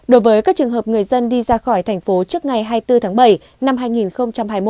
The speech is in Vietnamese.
đối với các trường hợp người dân đi ra khỏi thành phố trước ngày hai mươi bốn tháng bảy năm hai nghìn hai mươi một